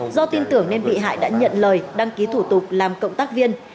do tin tưởng nên bị hại đã nhận lời đăng ký thủ tục làm cộng tác viên